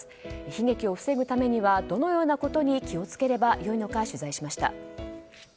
悲劇を防ぐためにはどのようなことに気を付ければよいのか取材しました。